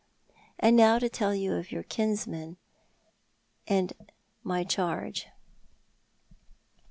" And now to tell you of your kinsman and ray charge.